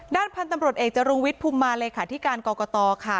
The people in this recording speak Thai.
ด้านพันธุ์ตำรวจเอกจรุงวิทย์ภูมิมาเลขาธิการกรกตค่ะ